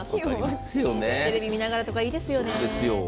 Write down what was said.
テレビ見ながらとか、いいですよね。